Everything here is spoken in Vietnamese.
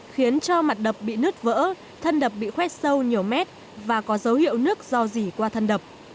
khiến cho mặt đập bị nứt vỡ thân đập bị khoét sâu nhiều mét và có dấu hiệu nước do dỉ qua thân đập